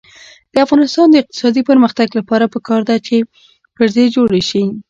د افغانستان د اقتصادي پرمختګ لپاره پکار ده چې پرزې جوړې شي.